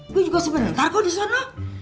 gue juga sebenernya tarko di sana